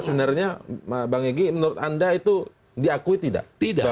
sebenarnya bang egy menurut anda itu diakui tidak